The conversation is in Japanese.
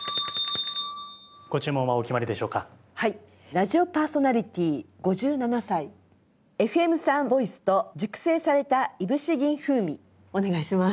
「ラジオパーソナリティー５７歳ＦＭ産ボイスと熟成されたいぶし銀風味」お願いします。